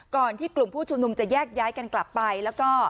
ก่อนที่กลุ่มผู้ชุมนุมจะแยกย้ายกันกลับไปแล้วก็